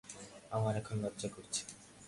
আমার এখন লজ্জা করছে।